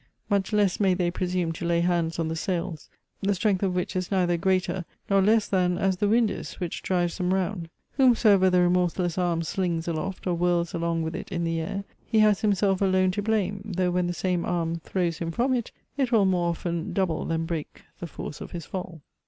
Much less may they presume to lay hands on the sails, the strength of which is neither greater nor less than as the wind is, which drives them round. Whomsoever the remorseless arm slings aloft, or whirls along with it in the air, he has himself alone to blame; though, when the same arm throws him from it, it will more often double than break the force of his fall.